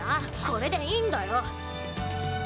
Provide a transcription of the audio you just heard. これでいいんだよ。